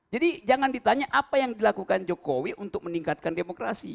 jadi jangan ditanya apa yang dilakukan jokowi untuk meningkatkan demokrasi